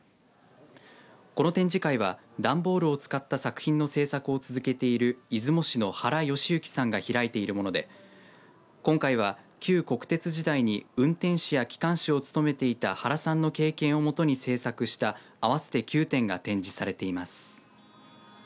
この展示会は段ボールを使った作品の制作を続けている出雲市の原禎幸さんが開いてるもので今回は旧国鉄時代に運転士や機関士を務めていた原さんの経験をもとに制作した合わせて９点が展示されています。